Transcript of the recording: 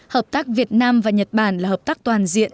hợp tác việt nam và nhật bản là hợp tác toàn diện